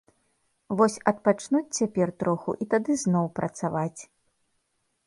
Вось адпачнуць цяпер троху і тады зноў працаваць.